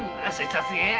すげえや。